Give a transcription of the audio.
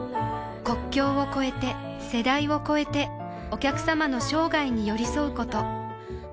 国境を超えて世代を超えてお客様の生涯に寄り添うこと